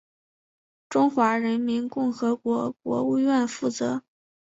中华人民共和国国务院负责。